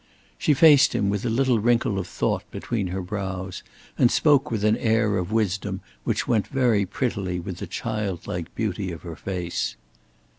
She faced him with a little wrinkle of thought between her brows and spoke with an air of wisdom which went very prettily with the childlike beauty of her face.